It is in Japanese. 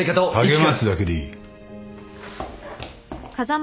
励ますだけでいい。